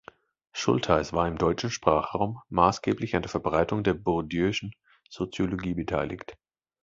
Schultheis war im deutschen Sprachraum maßgeblich an der Verbreitung der bourdieu’schen Soziologie beteiligt.